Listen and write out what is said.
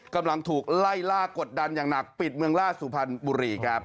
กำลังถูกไล่ล่ากดดันอย่างหนักปิดเมืองล่าสุพรรณบุรีครับ